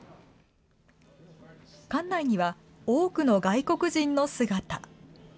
館内には、多くの外国人の姿。